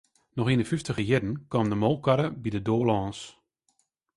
Noch yn 'e fyftiger jierren kaam de molkekarre by de doar lâns.